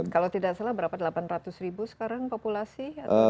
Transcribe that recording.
kalau tidak salah berapa delapan ratus ribu sekarang populasi